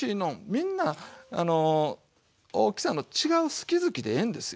みんな大きさの違う好き好きでええんですよ。